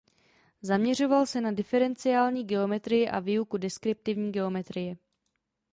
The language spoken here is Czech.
Zaměřoval se na diferenciální geometrii a výuku deskriptivní geometrie.